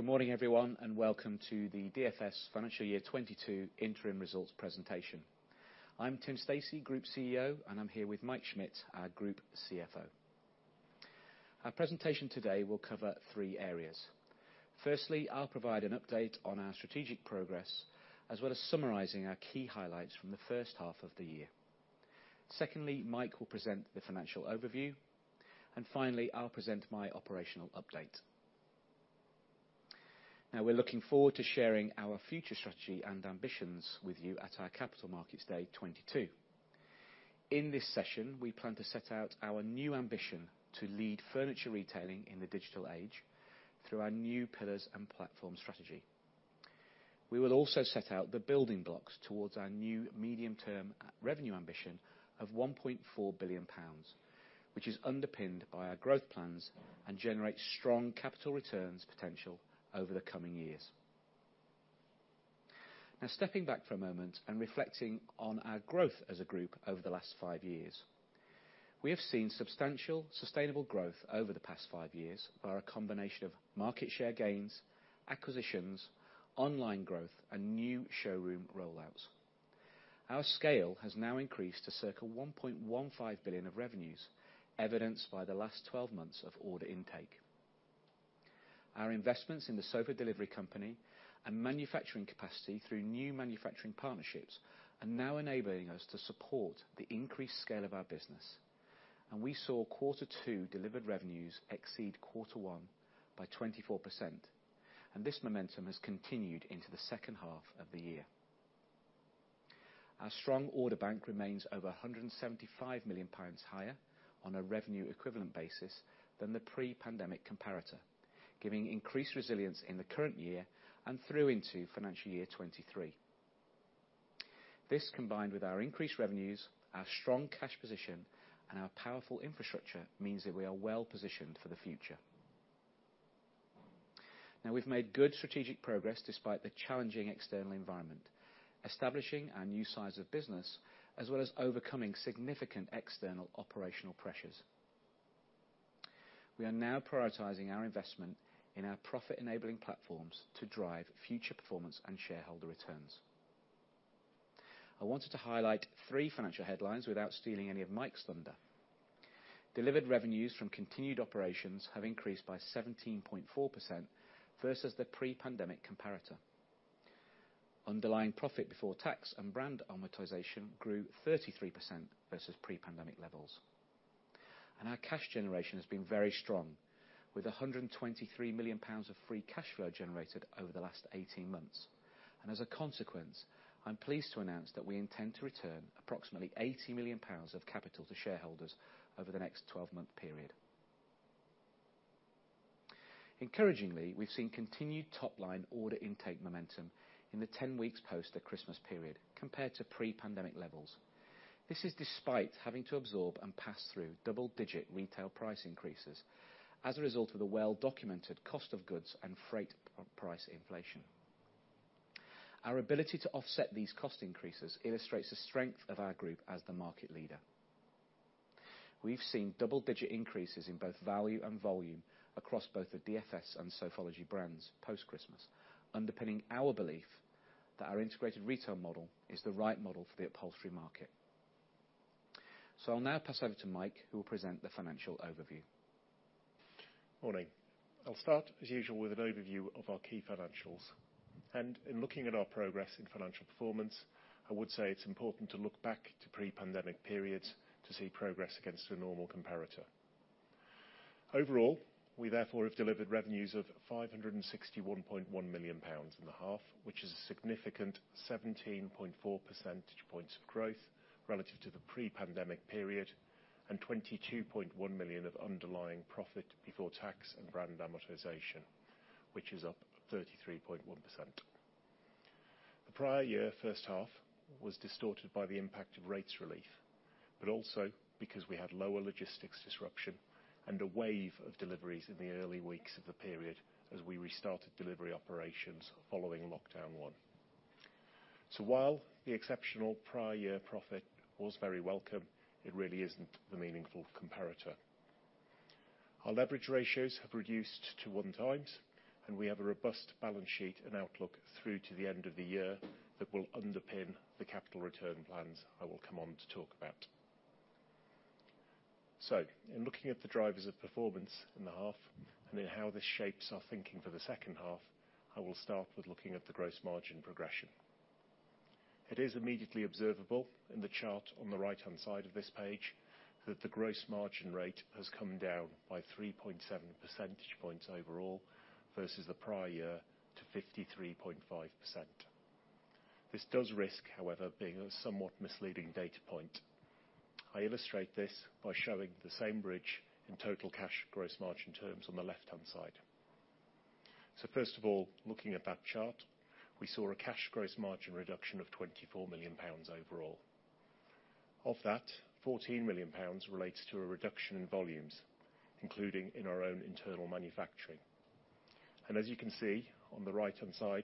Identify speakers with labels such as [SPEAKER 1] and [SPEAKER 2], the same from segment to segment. [SPEAKER 1] Good morning, everyone, and welcome to the DFS Financial Year 2022 interim results presentation. I'm Tim Stacey, Group CEO, and I'm here with Mike Schmidt, our Group CFO. Our presentation today will cover three areas. Firstly, I'll provide an update on our strategic progress, as well as summarizing our key highlights from the first half of the year. Secondly, Mike will present the financial overview. Finally, I'll present my operational update. Now we're looking forward to sharing our future strategy and ambitions with you at our Capital Markets Day 2022. In this session, we plan to set out our new ambition to lead furniture retailing in the digital age through our new pillars and platform strategy. We will also set out the building blocks towards our new medium-term revenue ambition of 1.4 billion pounds, which is underpinned by our growth plans and generates strong capital returns potential over the coming years. Now, stepping back for a moment and reflecting on our growth as a group over the last five years. We have seen substantial sustainable growth over the past five years by our combination of market share gains, acquisitions, online growth, and new showroom rollouts. Our scale has now increased to circa 1.15 billion of revenues, evidenced by the last 12 months of order intake. Our investments in the Sofa Delivery Company and manufacturing capacity through new manufacturing partnerships are now enabling us to support the increased scale of our business. We saw quarter two delivered revenues exceed quarter one by 24%, and this momentum has continued into the second half of the year. Our strong order bank remains over 175 million pounds higher on a revenue equivalent basis than the pre-pandemic comparator, giving increased resilience in the current year and through into financial year 2023. This, combined with our increased revenues, our strong cash position, and our powerful infrastructure, means that we are well positioned for the future. Now we've made good strategic progress despite the challenging external environment, establishing our new size of business as well as overcoming significant external operational pressures. We are now prioritizing our investment in our profit-enabling platforms to drive future performance and shareholder returns. I wanted to highlight three financial headlines without stealing any of Mike's thunder. Delivered revenues from continued operations have increased by 17.4% versus the pre-pandemic comparator. Underlying profit before tax and brand amortization grew 33% versus pre-pandemic levels. Our cash generation has been very strong, with 123 million pounds of free cash flow generated over the last 18 months. As a consequence, I'm pleased to announce that we intend to return approximately GBP 80 million of capital to shareholders over the next 12-month period. Encouragingly, we've seen continued top-line order intake momentum in the 10 weeks post the Christmas period compared to pre-pandemic levels. This is despite having to absorb and pass through double-digit retail price increases as a result of the well-documented cost of goods and freight price inflation. Our ability to offset these cost increases illustrates the strength of our group as the market leader. We've seen double-digit increases in both value and volume across both the DFS and Sofology brands post-Christmas, underpinning our belief that our integrated retail model is the right model for the upholstery market. I'll now pass over to Mike, who will present the financial overview.
[SPEAKER 2] Morning. I'll start, as usual, with an overview of our key financials. In looking at our progress in financial performance, I would say it's important to look back to pre-pandemic periods to see progress against a normal comparator. Overall, we therefore have delivered revenues of 561.1 million pounds in the half, which is a significant 17.4 percentage points of growth relative to the pre-pandemic period and 22.1 million of underlying profit before tax and brand amortization, which is up 33.1%. The prior year first half was distorted by the impact of rates relief, but also because we had lower logistics disruption and a wave of deliveries in the early weeks of the period as we restarted delivery operations following lockdown one. While the exceptional prior year profit was very welcome, it really isn't the meaningful comparator. Our leverage ratios have reduced to 1x, and we have a robust balance sheet and outlook through to the end of the year that will underpin the capital return plans I will come on to talk about. In looking at the drivers of performance in the half and in how this shapes our thinking for the second half, I will start with looking at the gross margin progression. It is immediately observable in the chart on the right-hand side of this page that the gross margin rate has come down by 3.7 percentage points overall versus the prior year to 53.5%. This does, however, risk being a somewhat misleading data point. I illustrate this by showing the same bridge in total cash gross margin terms on the left-hand side. First of all, looking at that chart, we saw a cash gross margin reduction of 24 million pounds overall. Of that, 14 million pounds relates to a reduction in volumes, including in our own internal manufacturing. As you can see on the right-hand side,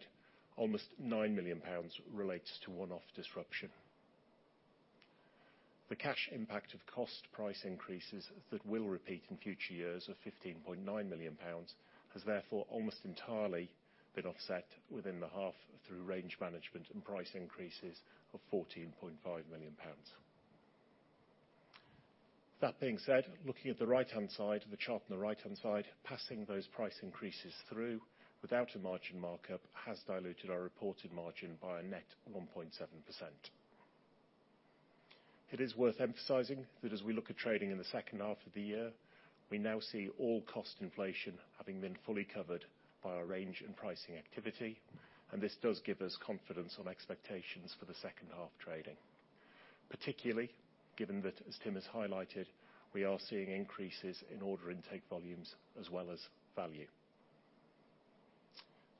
[SPEAKER 2] almost 9 million pounds relates to one-off disruption. The cash impact of cost price increases that will repeat in future years of 15.9 million pounds has therefore almost entirely been offset within the half through range management and price increases of 14.5 million pounds. That being said, looking at the right-hand side, the chart on the right-hand side, passing those price increases through without a margin markup has diluted our reported margin by a net 1.7%. It is worth emphasizing that as we look at trading in the second half of the year, we now see all cost inflation having been fully covered by our range and pricing activity, and this does give us confidence on expectations for the second-half trading. Particularly, given that, as Tim has highlighted, we are seeing increases in order intake volumes as well as value.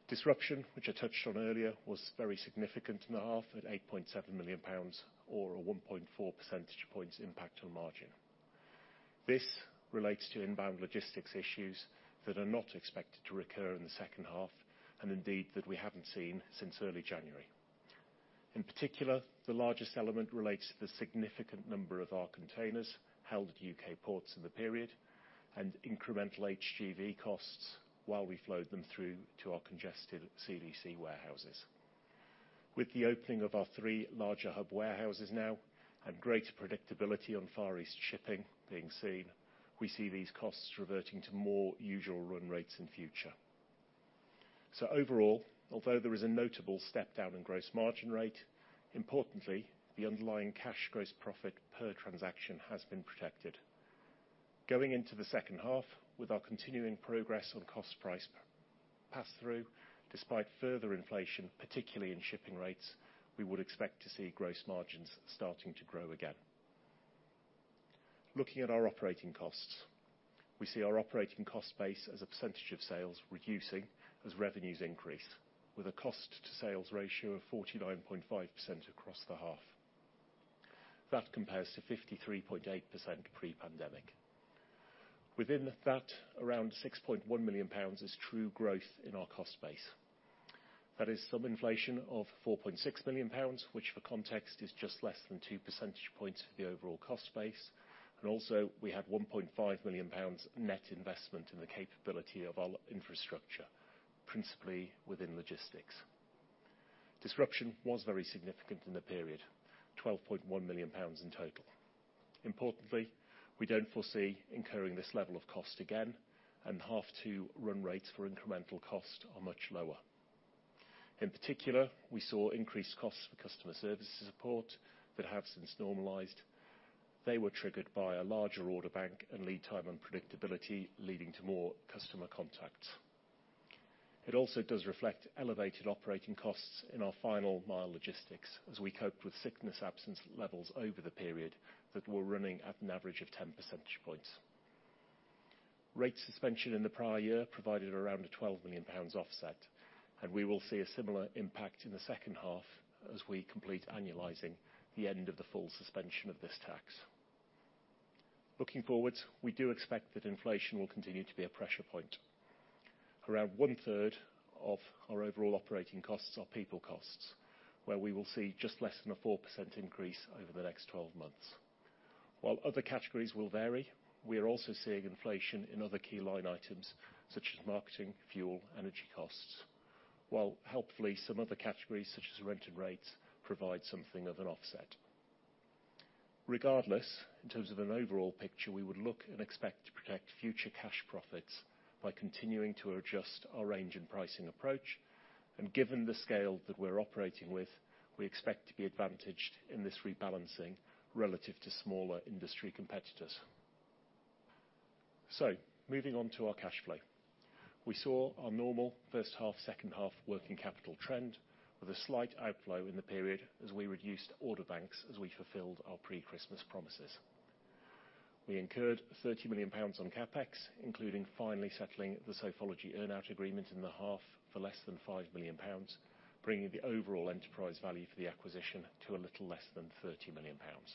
[SPEAKER 2] Disruption, which I touched on earlier, was very significant in the half, at 8.7 million pounds or a 1.4 percentage points impact on margin. This relates to inbound logistics issues that are not expected to recur in the second half, and indeed that we haven't seen since early January. In particular, the largest element relates to the significant number of our containers held at UK. ports in the period and incremental HGV costs while we flowed them through to our congested CDC warehouses. With the opening of our three larger hub warehouses now and greater predictability on Far East shipping being seen, we see these costs reverting to more usual run rates in future. Overall, although there is a notable step down in gross margin rate, importantly, the underlying cash gross profit per transaction has been protected. Going into the second half with our continuing progress on cost price pass through, despite further inflation, particularly in shipping rates, we would expect to see gross margins starting to grow again. Looking at our operating costs, we see our operating cost base as a percentage of sales reducing as revenues increase, with a cost to sales ratio of 49.5% across the half. That compares to 53.8% pre-pandemic. Within that, around 6.1 million pounds is true growth in our cost base. That is some inflation of 4.6 million pounds, which for context is just less than 2 percentage points for the overall cost base. We have 1.5 million pounds net investment in the capability of our infrastructure, principally within logistics. Disruption was very significant in the period, 12.1 million pounds in total. Importantly, we don't foresee incurring this level of cost again, and half two run rates for incremental cost are much lower. In particular, we saw increased costs for customer services support that have since normalized. They were triggered by a larger order bank and lead time unpredictability, leading to more customer contacts. It also does reflect elevated operating costs in our final mile logistics as we cope with sickness absence levels over the period that were running at an average of 10 percentage points. Rate suspension in the prior year provided around a 12 million pounds offset, and we will see a similar impact in the second half as we complete annualizing the end of the full suspension of this tax. Looking forward, we do expect that inflation will continue to be a pressure point. Around one-third of our overall operating costs are people costs, where we will see just less than a 4% increase over the next 12 months. While other categories will vary, we are also seeing inflation in other key line items such as marketing, fuel, energy costs. While helpfully, some other categories, such as rent and rates, provide something of an offset. Regardless, in terms of an overall picture, we would look and expect to protect future cash profits by continuing to adjust our range and pricing approach. Given the scale that we're operating with, we expect to be advantaged in this rebalancing relative to smaller industry competitors. Moving on to our cash flow. We saw our normal first half, second half working capital trend with a slight outflow in the period as we reduced order book, as we fulfilled our pre-Christmas orders. We incurred 30 million pounds on CapEx, including finally settling the Sofology earn out agreement in the half for less than 5 million pounds, bringing the overall enterprise value for the acquisition to a little less than 30 million pounds.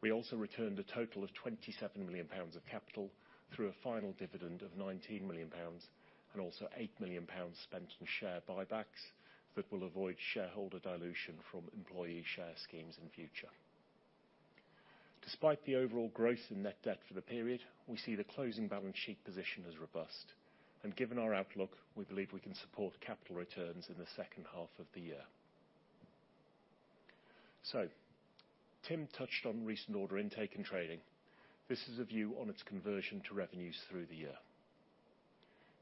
[SPEAKER 2] We also returned a total of 27 million pounds of capital through a final dividend of 19 million pounds and also 8 million pounds spent on share buybacks that will avoid shareholder dilution from employee share schemes in future. Despite the overall growth in net debt for the period, we see the closing balance sheet position as robust. Given our outlook, we believe we can support capital returns in the second half of the year. Tim touched on recent order intake and trading. This is a view on its conversion to revenues through the year.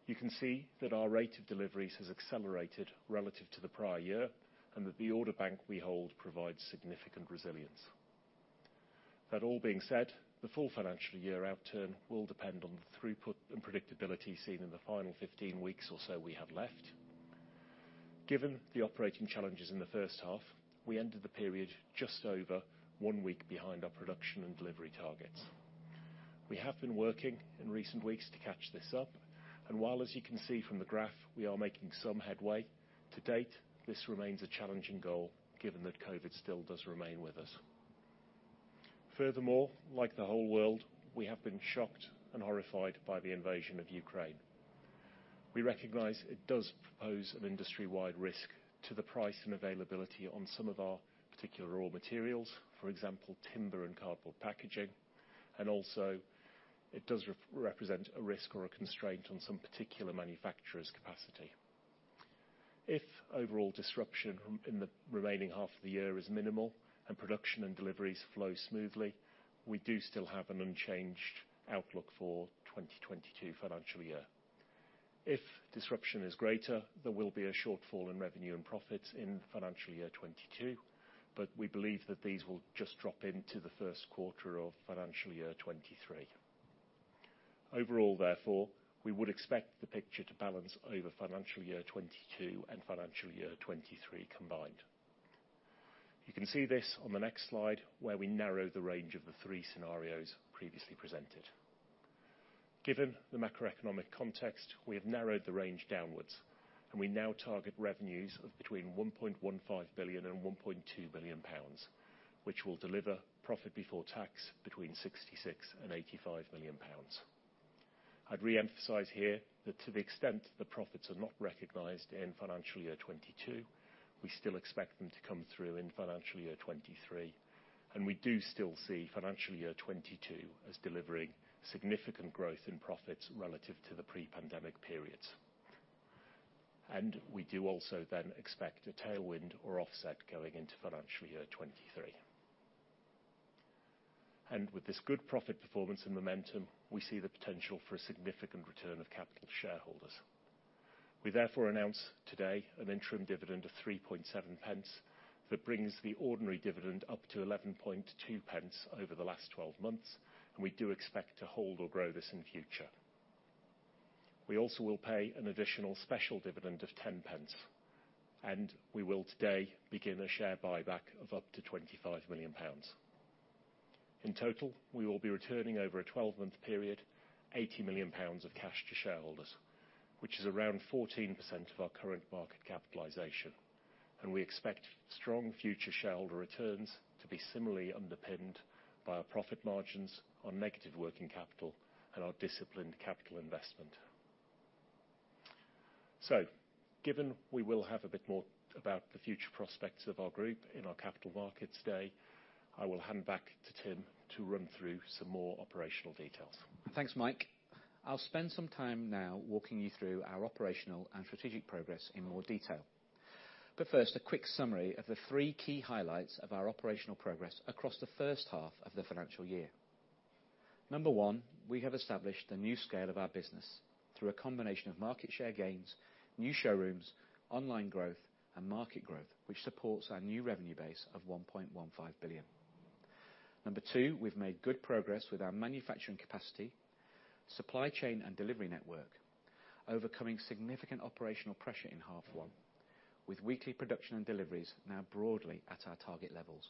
[SPEAKER 2] You can see that our rate of deliveries has accelerated relative to the prior year, and that the order bank we hold provides significant resilience. That all being said, the full financial year outturn will depend on the throughput and predictability seen in the final fifteen weeks or so we have left. Given the operating challenges in the first half, we ended the period just over one week behind our production and delivery targets. We have been working in recent weeks to catch this up, and while, as you can see from the graph, we are making some headway, to date, this remains a challenging goal given that COVID still does remain with us. Furthermore, like the whole world, we have been shocked and horrified by the invasion of Ukraine. We recognize it does pose an industry-wide risk to the price and availability on some of our particular raw materials, for example, timber and cardboard packaging, and also it does represent a risk or a constraint on some particular manufacturer's capacity. If overall disruption from in the remaining half of the year is minimal and production and deliveries flow smoothly, we do still have an unchanged outlook for 2022 financial year. If disruption is greater, there will be a shortfall in revenue and profits in financial year 2022, but we believe that these will just drop into the first quarter of financial year 2023. Overall, therefore, we would expect the picture to balance over financial year 2022 and financial year 2023 combined. You can see this on the next slide, where we narrow the range of the three scenarios previously presented. Given the macroeconomic context, we have narrowed the range downwards, and we now target revenues of between 1.15 billion and 1.2 billion pounds, which will deliver profit before tax between 66 million and 85 million pounds. I'd re-emphasize here that to the extent the profits are not recognized in financial year 2022, we still expect them to come through in financial year 2023, and we do still see financial year 2022 as delivering significant growth in profits relative to the pre-pandemic periods. We do also then expect a tailwind or offset going into financial year 2023. With this good profit performance and momentum, we see the potential for a significant return of capital to shareholders. We therefore announce today an interim dividend of 0.037 that brings the ordinary dividend up to 0.112 over the last 12 months, and we do expect to hold or grow this in the future. We also will pay an additional special dividend of 0.10, and we will today begin a share buyback of up to 25 million pounds. In total, we will be returning over a 12-month period, 80 million pounds of cash to shareholders, which is around 14% of our current market capitalization, and we expect strong future shareholder returns to be similarly underpinned by our profit margins on negative working capital and our disciplined capital investment. Given we will have a bit more about the future prospects of our group in our Capital Markets Day today, I will hand back to Tim to run through some more operational details.
[SPEAKER 1] Thanks, Mike. I'll spend some time now walking you through our operational and strategic progress in more detail. First, a quick summary of the three key highlights of our operational progress across the first half of the financial year. Number one, we have established a new scale of our business through a combination of market share gains, new showrooms, online growth, and market growth, which supports our new revenue base of 1.15 billion. Number two, we've made good progress with our manufacturing capacity, supply chain, and delivery network, overcoming significant operational pressure in half one, with weekly production and deliveries now broadly at our target levels.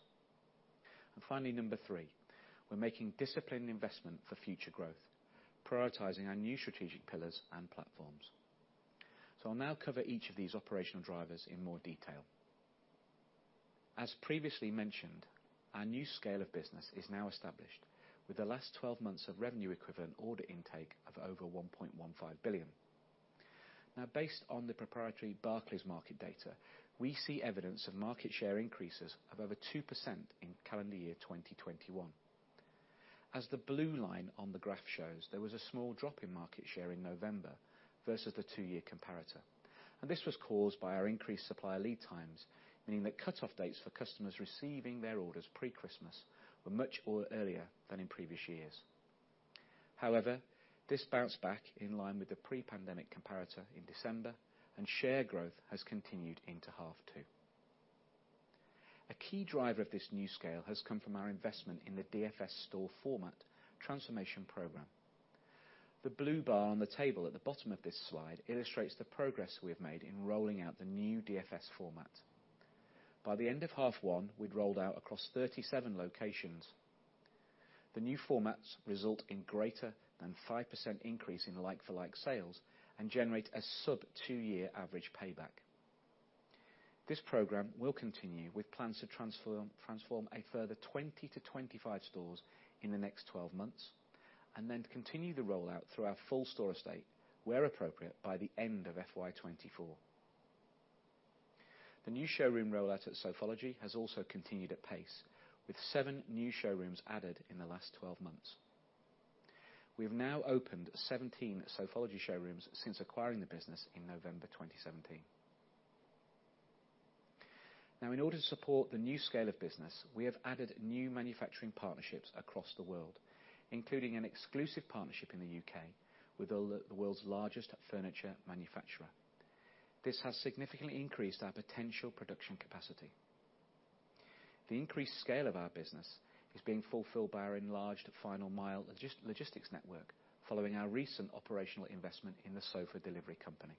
[SPEAKER 1] Finally, number three, we're making disciplined investment for future growth, prioritizing our new strategic pillars and platforms. I'll now cover each of these operational drivers in more detail. As previously mentioned, our new scale of business is now established with the last twelve months of revenue equivalent order intake of over 1.15 billion. Based on the proprietary Barclays market data, we see evidence of market share increases of over 2% in calendar year 2021. As the blue line on the graph shows, there was a small drop in market share in November versus the two-year comparator. This was caused by our increased supplier lead times, meaning that cutoff dates for customers receiving their orders pre-Christmas were much earlier than in previous years. However, this bounced back in line with the pre-pandemic comparator in December, and share growth has continued into H2. A key driver of this new scale has come from our investment in the DFS Store Format Transformation Program. The blue bar on the table at the bottom of this slide illustrates the progress we've made in rolling out the new DFS format. By the end of half one, we'd rolled out across 37 locations. The new formats result in greater than 5% increase in like-for-like sales and generate a sub 2-year average payback. This program will continue with plans to transform a further 20-25 stores in the next 12 months and then continue the rollout through our full store estate where appropriate by the end of FY 2024. The new showroom rollout at Sofology has also continued at pace, with 7 new showrooms added in the last 12 months. We have now opened 17 Sofology showrooms since acquiring the business in November 2017. Now, in order to support the new scale of business, we have added new manufacturing partnerships across the world, including an exclusive partnership in the UK. with the world's largest furniture manufacturer. This has significantly increased our potential production capacity. The increased scale of our business is being fulfilled by our enlarged final mile logistics network following our recent operational investment in the Sofa Delivery Company.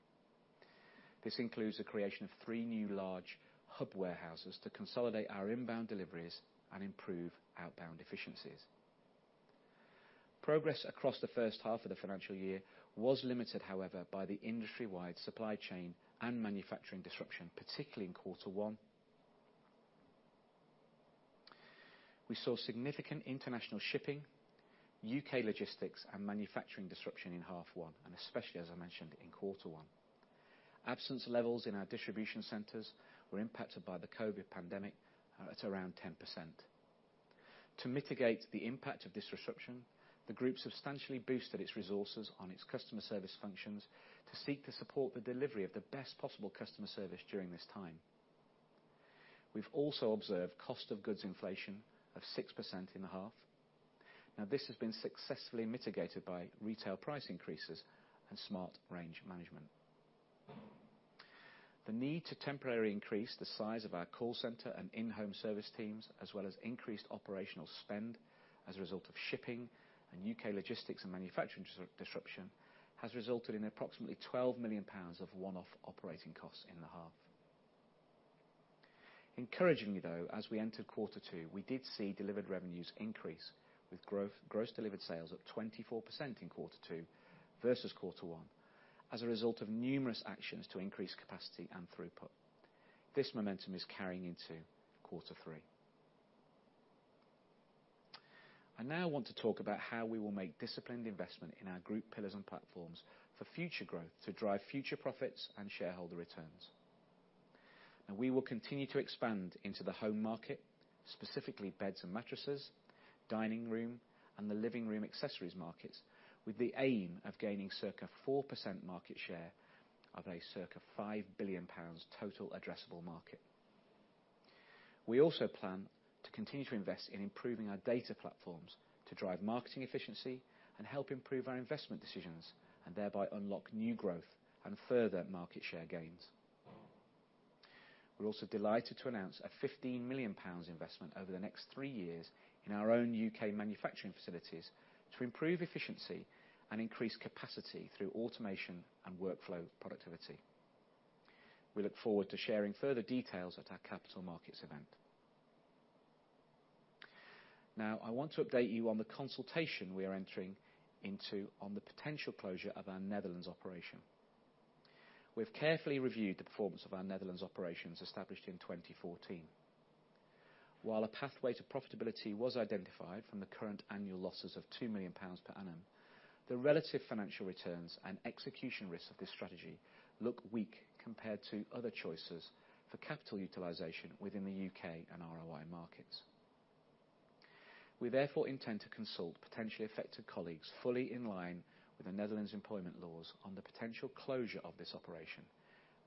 [SPEAKER 1] This includes the creation of three new large hub warehouses to consolidate our inbound deliveries and improve outbound efficiencies. Progress across the first half of the financial year was limited, however, by the industry-wide supply chain and manufacturing disruption, particularly in quarter one. We saw significant international shipping, UK. logistics, and manufacturing disruption in half one, and especially, as I mentioned, in quarter one. Absence levels in our distribution centers were impacted by the COVID pandemic, are at around 10%. To mitigate the impact of this disruption, the group substantially boosted its resources on its customer service functions to seek to support the delivery of the best possible customer service during this time. We've also observed cost of goods inflation of 6% in the half. Now this has been successfully mitigated by retail price increases and smart range management. The need to temporarily increase the size of our call center and in-home service teams, as well as increased operational spend as a result of shipping and U.K. logistics and manufacturing disruption, has resulted in approximately 12 million pounds of one-off operating costs in the half. Encouragingly, though, as we entered quarter two, we did see delivered revenues increase with growth, gross delivered sales up 24% in quarter two versus quarter one as a result of numerous actions to increase capacity and throughput. This momentum is carrying into quarter three. I now want to talk about how we will make disciplined investment in our group pillars and platforms for future growth to drive future profits and shareholder returns. We will continue to expand into the home market, specifically beds and mattresses, dining room, and the living room accessories markets, with the aim of gaining circa 4% market share of a circa 5 billion pounds total addressable market. We also plan to continue to invest in improving our data platforms to drive marketing efficiency and help improve our investment decisions, and thereby unlock new growth and further market share gains. We're also delighted to announce a 15 million pounds investment over the next 3 years in our own U.K. manufacturing facilities to improve efficiency and increase capacity through automation and workflow productivity. We look forward to sharing further details at our capital markets event. Now I want to update you on the consultation we are entering into on the potential closure of our Netherlands operation. We've carefully reviewed the performance of our Netherlands operations established in 2014. While a pathway to profitability was identified from the current annual losses of 2 million pounds per annum, the relative financial returns and execution risks of this strategy look weak compared to other choices for capital utilization within the U.K. and ROI markets. We therefore intend to consult potentially affected colleagues fully in line with the Netherlands employment laws on the potential closure of this operation,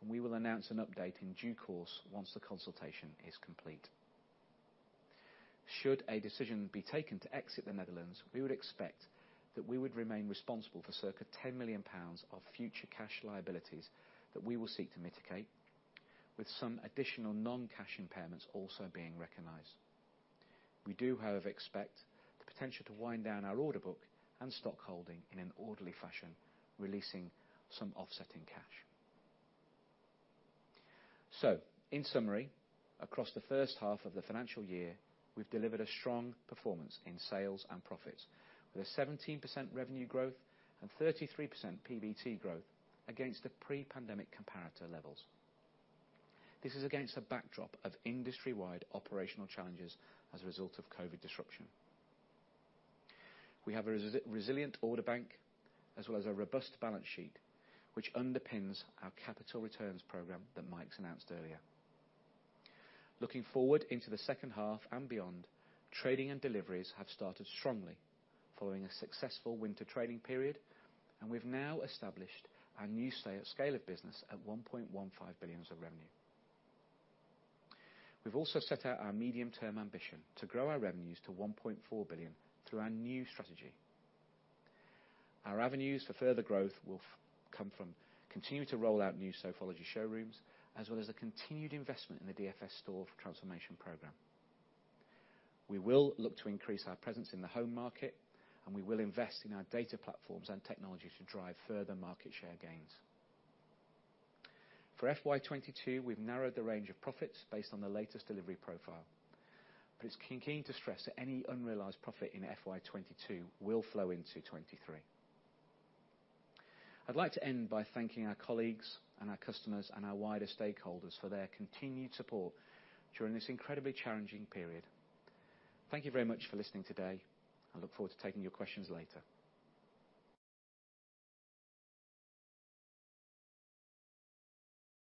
[SPEAKER 1] and we will announce an update in due course once the consultation is complete. Should a decision be taken to exit the Netherlands, we would expect that we would remain responsible for circa 10 million pounds of future cash liabilities that we will seek to mitigate, with some additional non-cash impairments also being recognized. We do, however, expect the potential to wind down our order book and stockholding in an orderly fashion, releasing some offsetting cash. In summary, across the first half of the financial year, we've delivered a strong performance in sales and profits with a 17% revenue growth and 33% PBT growth against the pre-pandemic comparator levels. This is against a backdrop of industry-wide operational challenges as a result of COVID disruption. We have a resilient order book as well as a robust balance sheet, which underpins our capital returns program that Mike's announced earlier. Looking forward into the second half and beyond, trading and deliveries have started strongly following a successful winter trading period, and we've now established our new scale of business at 1.15 billion of revenue. We've also set out our medium-term ambition to grow our revenues to 1.4 billion through our new strategy. Our avenues for further growth will come from continuing to roll out new Sofology showrooms as well as the continued investment in the DFS store transformation program. We will look to increase our presence in the home market, and we will invest in our data platforms and technologies to drive further market share gains. For FY 2022, we've narrowed the range of profits based on the latest delivery profile, but it's key to stress that any unrealized profit in FY 2022 will flow into 2023. I'd like to end by thanking our colleagues and our customers and our wider stakeholders for their continued support during this incredibly challenging period. Thank you very much for listening today. I look forward to taking your questions later.